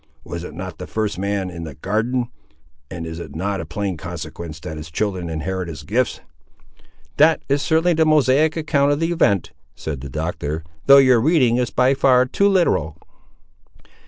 Was it not the first man in the Garden, and is it not a plain consequence that his children inherit his gifts?" "That is certainly the Mosaic account of the event," said the Doctor; "though your reading is by far too literal!"